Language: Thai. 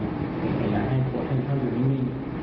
แต่อย่างให้ปวดให้เขาอยู่นิ่ง